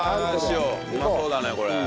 うまそうだねこれ。